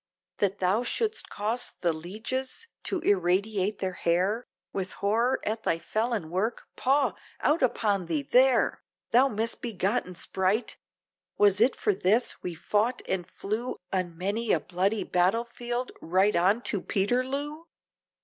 That thou should'st cause the lieges to irradiate their hair, With horror at thy felon work? paugh! out upon thee! there! Thou misbegotten sprite! was it for this! we fought and flew, On many a bloody battle field, right on to Peterloo?